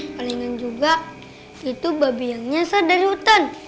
kalian juga itu babi yang nyasar dari hutan